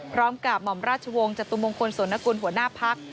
พร้อมกับหม่อมราชวงศ์จตุมงคลสนคุณหัวหน้าพัก